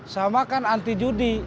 sama kan anti judi